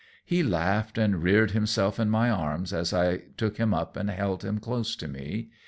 He laughed and reared himself in my arms as I took him up and held him close to me.